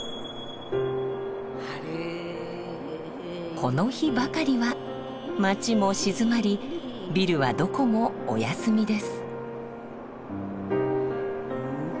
この日ばかりは街も静まりビルはどこもお休みです。